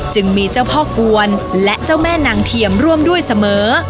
จึงมีเจ้าพ่อกวนและเจ้าแม่นางเทียมร่วมด้วยเสมอ